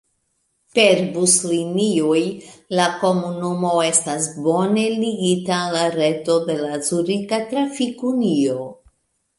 Per buslinioj la komunumo estas bone ligita al la reto de la Zurika Trafik-Unio.